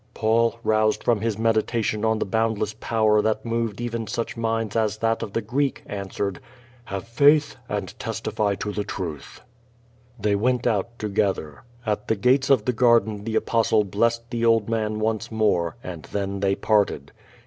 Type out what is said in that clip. Paul, roused from his kneditation on the boundless power that moved even such mifads as that of the Greek, answered: "Have faith, and testify vb the truth/' They went out togethek At the gates of the garden the Apostle blessed the old mant>nee more, and then they parted.